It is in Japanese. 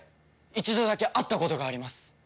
一度だけ会ったことがあります。